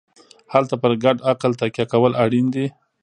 هلته پر ګډ عقل تکیه کول اړین دي.